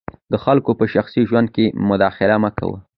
د خلګو په شخصي ژوند کي مداخله مه کوه.